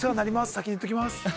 先に言っておきます。